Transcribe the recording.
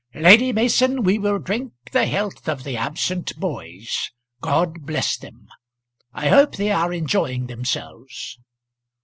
"Lady Mason, we will drink the health of the absent boys. God bless them! I hope they are enjoying themselves."